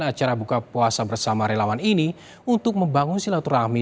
acara buka puasa bersama relawan ini untuk membangun silaturahmi